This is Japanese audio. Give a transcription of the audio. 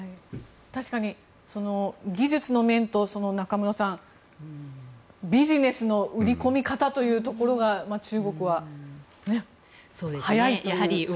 確かに技術の面と中室さん、ビジネスの売り込み方というところが中国は早いという。